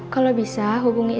kalau bisa hubungkan saya dengan